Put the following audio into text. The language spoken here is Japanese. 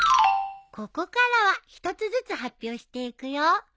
ここからは１つずつ発表していくよ。